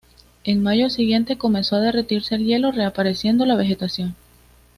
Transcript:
En mayo siguiente comenzó a derretirse el hielo reapareciendo la vegetación.